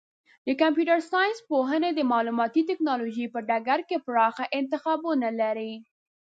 د کمپیوټر ساینس پوهنځی د معلوماتي ټکنالوژۍ په ډګر کې پراخه انتخابونه لري.